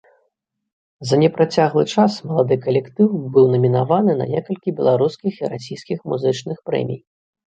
За непрацяглы час малады калектыў быў намінаваны на некалькі беларускіх і расійскіх музычных прэмій.